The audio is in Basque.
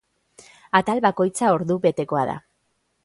Atal bakoitza ordu betekoa da.